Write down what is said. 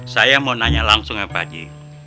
saya mau nanya langsung ya pak haji